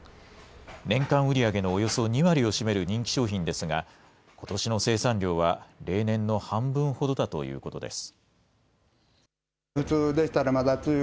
年間売り上げのおよそ２割を占める人気商品ですが、ことしの生産量は例年の半分ほどだということです。